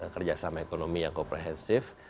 kerjasama ekonomi yang komprehensif